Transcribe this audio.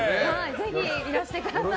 ぜひいらしてください。